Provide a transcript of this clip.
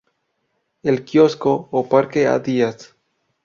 El kiosko o Parque A. Díaz.